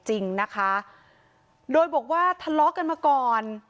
จริงนะคะโดยบอกว่าทะเลาะกันมาก่อน